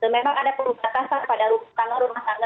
memang ada perubahan kasar pada rumah tangga